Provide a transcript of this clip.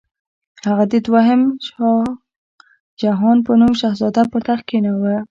هغه د دوهم شاهجهان په نوم شهزاده پر تخت کښېناوه.